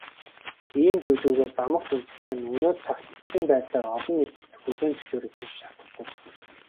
Ийм зүйлгүйгээр домогт үндэслэх нь өнөө цагт эцсийн байдлаар олон нийтэд хүлээн зөвшөөрөгдөж чадахгүй.